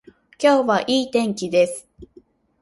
今日はいい天気です。